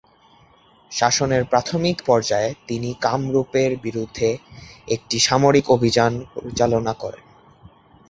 শাসনের প্রাথমিক পর্যায়ে তিনি কামরূপের বিরুদ্ধে একটি সামরিক অভিযান পরিচালনা করেন।